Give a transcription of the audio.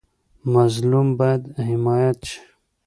مظلوم باید حمایت شي